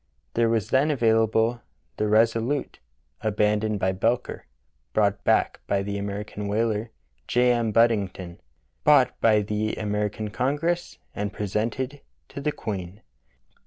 There was then available the Resolute^ abandoned by Belcher, brought back by the American whaler, J. M. Buddington, bought by the American Congress, and presented to the Queen.